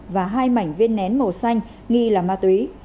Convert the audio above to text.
và hai mảnh viên nén màu xanh nghi là ma túy